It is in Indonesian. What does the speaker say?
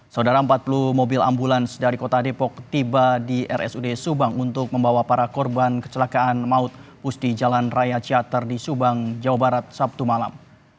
saudara empat puluh mobil ambulans dari kota depok tiba di rsud subang untuk membawa para korban kecelakaan maut bus di jalan raya ciater di subang jawa barat sabtu malam